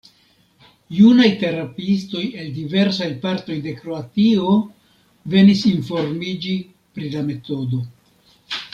Junaj terapiistoj el diversaj partoj de Kroatio venis informiĝi pri la metodo.